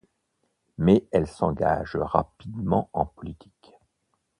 Mais elle s'engage rapidement en politique.